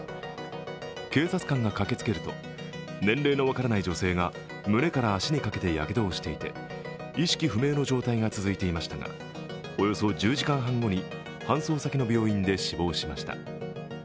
警察官が駆けつけると年齢の分からない女性が胸から足にかけて、やけどをしていて意識不明の状態が続いていましたがおよそ１０時間半後に搬送先の病院で死亡しました。